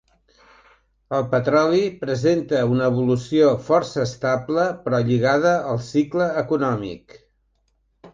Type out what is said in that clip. El petroli presenta una evolució força estable però lligada al cicle econòmic.